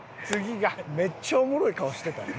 めっちゃおもろい顔してたまた。